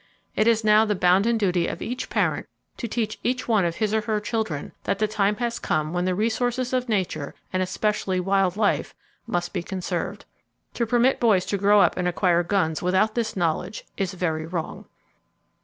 It is now the bounden duty of each parent to teach each one of his or her children that the time has come [Page 377] when the resources of nature, and especially wild life, must be conserved. To permit boys to grow up and acquire guns without this knowledge is very wrong.